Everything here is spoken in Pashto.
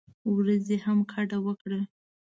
ورځې هم ګډه وکړه.